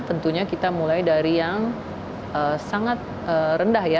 tentunya kita mulai dari yang sangat rendah ya